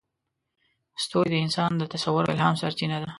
ستوري د انسان د تصور او الهام سرچینه ده.